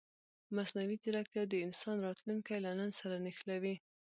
مصنوعي ځیرکتیا د انسان راتلونکی له نن سره نښلوي.